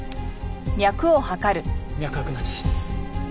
脈拍なし。